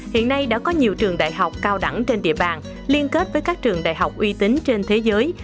hiện nay đã có nhiều trường đại học cao đẳng trên địa bàn liên kết với các trường đại học uy tín trên thế giới